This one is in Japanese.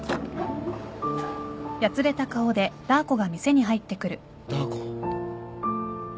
ダー子。